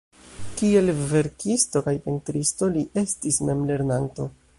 Kiel verkisto kaj pentristo li estis memlernanto.